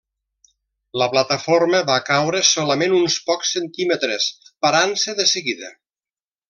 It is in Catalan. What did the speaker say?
La plataforma va caure solament uns pocs centímetres, parant-se de seguida.